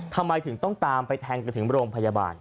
ทำไมถึงต้องตามไปแทงกันถึงโรงพยาบาล